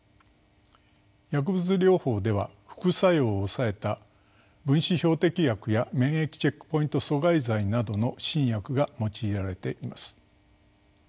薬物療法では副作用を抑えた分子標的薬や免疫チェックポイント阻害剤などの新薬が用いられています。